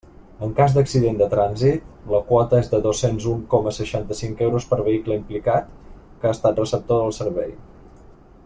En cas d'accident de trànsit, la quota és de dos-cents un coma seixanta-cinc euros per vehicle implicat que ha estat receptor del servei.